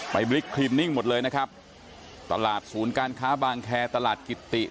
บิ๊กคลินนิ่งหมดเลยนะครับตลาดศูนย์การค้าบางแคร์ตลาดกิติ